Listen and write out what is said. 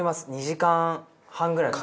２時間半ぐらい。